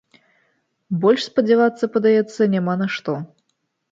Больш спадзявацца, падаецца, няма на што.